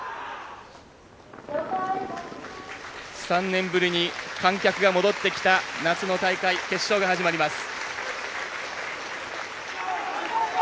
３年ぶりに観客が戻ってきた夏の大会決勝が始まります。